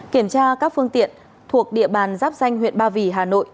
kiểm tra các phương tiện thuộc địa bàn giáp danh huyện ba vì hà nội